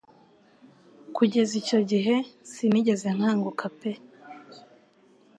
Kugeza icyo gihe sinigeze nkanguka pe